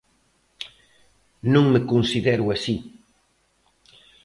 Non me considero así.